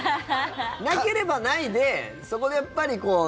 なければないでそこでやっぱり。